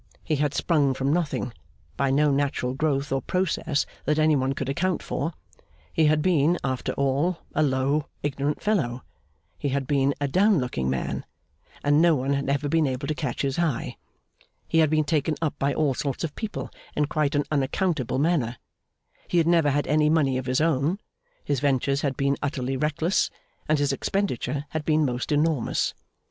He had sprung from nothing, by no natural growth or process that any one could account for; he had been, after all, a low, ignorant fellow; he had been a down looking man, and no one had ever been able to catch his eye; he had been taken up by all sorts of people in quite an unaccountable manner; he had never had any money of his own, his ventures had been utterly reckless, and his expenditure had been most enormous.